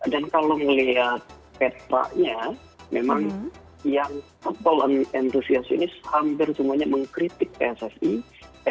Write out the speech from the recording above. dan kalau melihat petanya memang yang football enthusiast ini hampir semuanya mengkritik sse